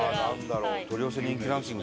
お取り寄せ人気ランキング